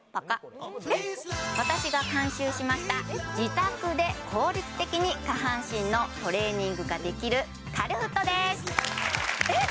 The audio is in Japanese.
私が監修しました自宅で効率的に下半身のトレーニングができるカルフットですえっ